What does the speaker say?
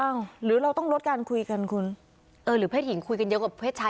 หรือเราต้องลดการคุยกันคุณเออหรือเพศหญิงคุยกันเยอะกว่าเพศชาย